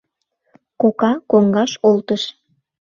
Кока коҥгаш олтыш.